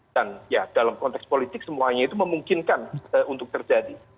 dan ya dalam konteks politik semuanya itu memungkinkan untuk terjadi